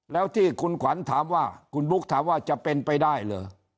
แล้วที่คุณขวัญถามว่าคุณบุ๊คถามว่าจะเป็นไปได้เหรอ